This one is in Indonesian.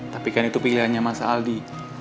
tapi kan itu pilihannya mas aldi